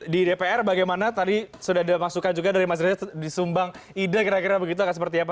di dpr bagaimana tadi sudah dimasukkan juga dari masjidnya disumbang ide kira kira begitu akan seperti apa